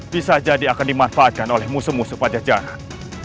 bisa jadi akan dimanfaatkan oleh musuh musuh pada jarak